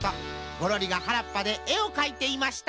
ゴロリがはらっぱでえをかいていました。